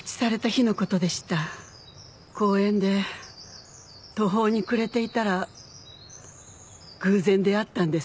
公園で途方に暮れていたら偶然出会ったんです。